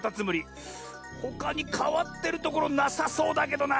ほかにかわってるところなさそうだけどな。